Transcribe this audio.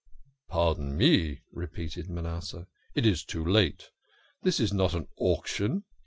" Pardon me," repeated Manasseh, " it is too late. This is not an auction."